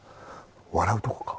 笑うとこか？